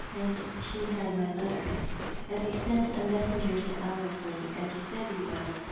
Has she had my letter? Have you sent a messenger to Ellerslie, as you said you would